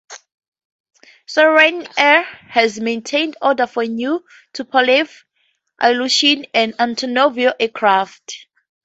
SyrianAir has maintained orders for new Tupolev, Ilyushin, and Antonov aircraft.